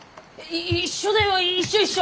一緒だよ一緒一緒！